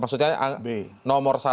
maksudnya nomor satu